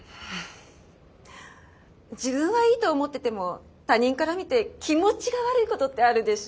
自分はいいと思ってても他人から見て気持ちが悪いことってあるでしょ？